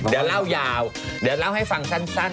เดี๋ยวเราเล่ายาวให้ฟังสั้น